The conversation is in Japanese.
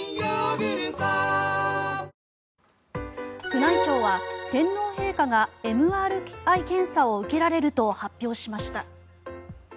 宮内庁は、天皇陛下がＭＲＩ検査を受けられると発表しました。